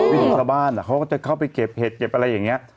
ของชาวบ้านเขาก็จะเข้าไปเก็บเห็ดเก็บอะไรอย่างนี้